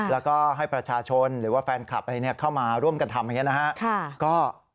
และก็ให้ประชาชนหรือแฟนคลับเข้ามาร่วมกันทำอย่างนี้